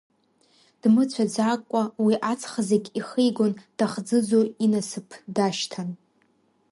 Дмыцәаӡакәа уи аҵх зегь ихигон, дахӡыӡо инасыԥ дашьҭан…